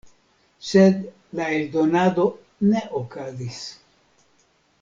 Sed la eldonado ne okazis.